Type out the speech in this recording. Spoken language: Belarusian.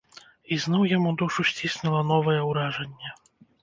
І зноў яму душу сціснула новае ўражанне.